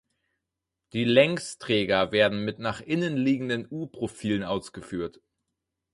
Die Längsträger werden mit nach innen liegenden U-Profilen ausgeführt.